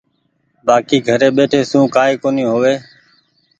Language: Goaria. بآڪي گھري ٻيٺي سون ڪآئي ڪونيٚ هووي۔